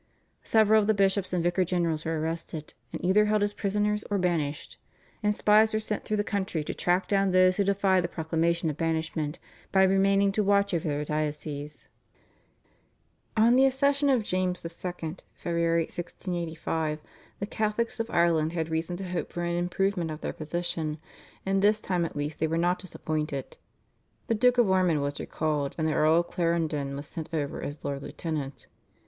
Several of the bishops and vicars general were arrested and either held as prisoners or banished, and spies were sent through the country to track down those who defied the proclamation of banishment by remaining to watch over their dioceses. On the accession of James II. (Feb. 1685) the Catholics of Ireland had reason to hope for an improvement of their position, and this time at least they were not disappointed. The Duke of Ormond was recalled, and the Earl of Clarendon was sent over as Lord Lieutenant.